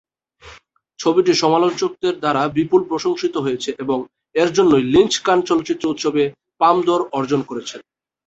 ছবিটি সমালোচকদের দ্বারা বিপুল প্রশংসিত হয়েছে এবং এর জন্যই লিঞ্চ কান চলচ্চিত্র উৎসবে পাম দর অর্জন করেছেন।